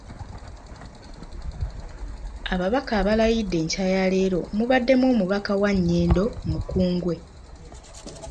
Ababaka abalayidde enkya ya leero mubaddemu Omubaka wa Nnyendo, Mukungwe.